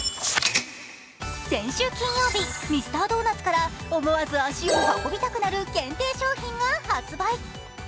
先週金曜日、ミスタードーナツから思わず足を運びたくなる限定商品が発売。